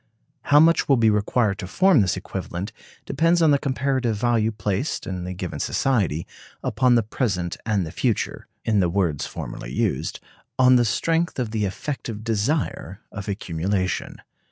How much will be required to form this equivalent depends on the comparative value placed, in the given society, upon the present and the future (in the words formerly used): on the strength of the effective desire of accumulation.